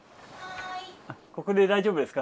ここで大丈夫ですか？